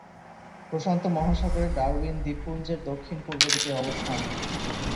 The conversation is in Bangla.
প্রশান্ত মহাসাগরের ডারউইন দ্বীপপুঞ্জের দক্ষিণ-পূর্ব দিকে এর অবস্থান।